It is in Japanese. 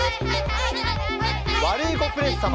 ワルイコプレス様。